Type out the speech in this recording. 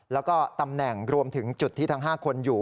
แล้วก็ตำแหน่งรวมถึงจุดที่ทั้ง๕คนอยู่